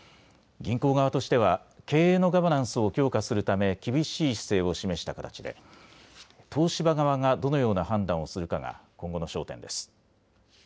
銀行側としては経営のガバナンスを強化するため厳しい姿勢を示した形で東芝側がどのような判断をするかが今後の焦点です。